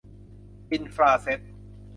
อินฟราเซท